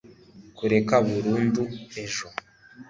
kureka burundu ejo